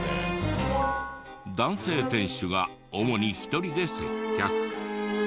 男性店主が主に一人で接客。